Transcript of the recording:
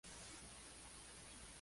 La letra vuelve a ser muy provocadora.